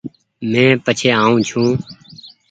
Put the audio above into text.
مينٚ پڇي آئو ڇوٚنٚ